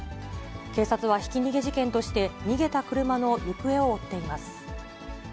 警察はひき逃げ事件として、逃げた車の行方を追っています。